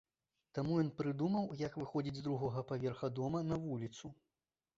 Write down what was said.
Таму ён прыдумаў, як выходзіць з другога паверха дома на вуліцу.